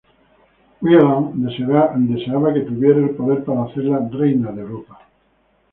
Wieland deseaba que tuviera el poder para hacerla "Reina de Europa".